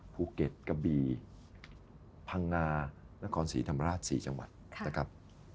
ภูเก็ตกระบีพังงานครศรีธรรมราช๔จังหวัดนะครับ